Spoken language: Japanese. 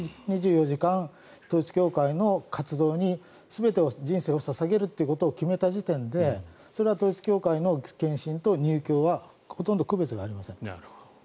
２４時間、統一教会の活動に全てを人生を捧げることを決めた時点でそれは統一教会の献身と入教はほとんど区別がありません。